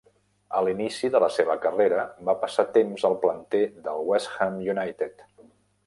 A l'inici de la seva carrera va passar temps al planter del West Ham United.